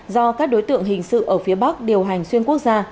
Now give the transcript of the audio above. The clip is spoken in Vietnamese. do các đối tượng hình sự ở phía bắc điều hành xuyên quốc gia